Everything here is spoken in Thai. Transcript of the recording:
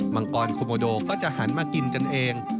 มังกรโคโมโดก็จะหันมากินกันเอง